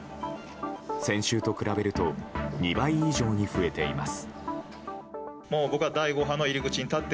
先週と比べると２倍以上に増えています。